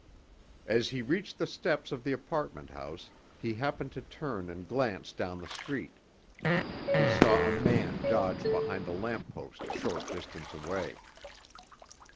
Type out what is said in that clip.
As he reached the steps of the apartment house he happened to turn and glance down the street. He saw a man dodge behind a lamp post a short distance away.